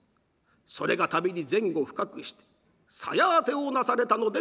それがために前後不覚して鞘当てをなされたのでござる。